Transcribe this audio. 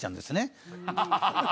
「アハハハ！」